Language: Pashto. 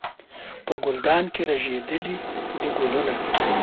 په ګلدان کې رژېدلي دي ګلونه